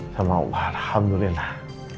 sama allah alhamdulillah